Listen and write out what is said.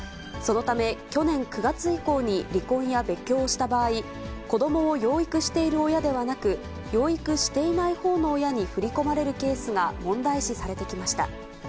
そのため、去年９月以降に離婚や別居をした場合、子どもを養育している親ではなく、養育していないほうの親に振り込まれるケースが問題視されてきました。